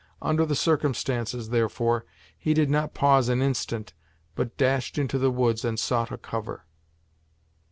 Under the circumstances, therefore, he did not pause an instant, but dashed into the woods and sought a cover.